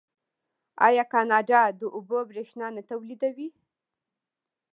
آیا کاناډا د اوبو بریښنا نه تولیدوي؟